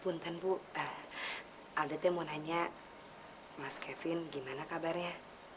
puntan bu alda t mau nanya mas kevin gimana kabarnya